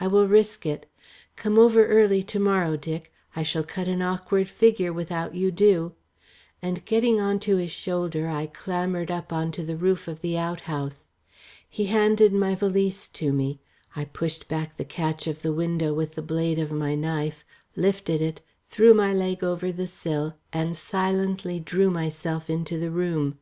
"I will risk it. Come over early to morrow, Dick. I shall cut an awkward figure without you do," and getting on to his shoulder, I clambered up on to the roof of the outhouse. He handed my valise to me; I pushed back the catch of the window with the blade of my knife, lifted it, threw my leg over the sill and silently drew myself into the room.